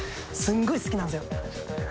すごい好きなんですよ。